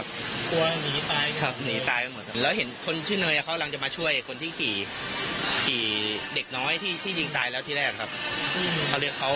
สิ่งนี้เสี่ยงฟื้นประทานกันแล้วก็โต้เถียงกันท้าทายกันออกมา